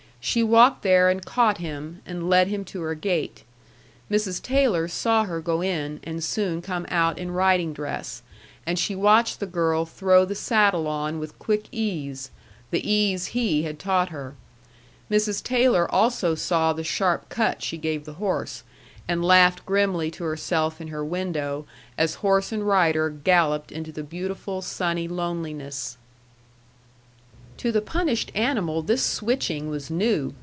She walked there and caught him, and led him to her gate. Mrs. Taylor saw her go in, and soon come out in riding dress; and she watched the girl throw the saddle on with quick ease the ease he had taught her. Mrs. Taylor also saw the sharp cut she gave the horse, and laughed grimly to herself in her window as horse and rider galloped into the beautiful sunny loneliness. To the punished animal this switching was new!